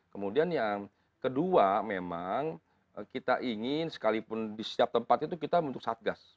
kemudian yang kedua memang kita ingin sekalipun disiap tempat itu kita untuk satgas